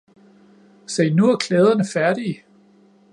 Se nu er klæderne færdige!